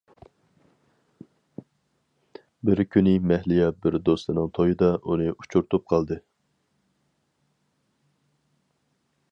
بىر كۈنى مەھلىيا بىر دوستىنىڭ تويىدا ئۇنى ئۇچۇرتۇپ قالدى.